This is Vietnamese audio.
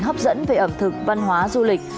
hấp dẫn về ẩm thực văn hóa du lịch